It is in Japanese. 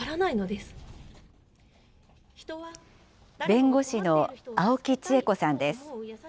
弁護士の青木千恵子さんです。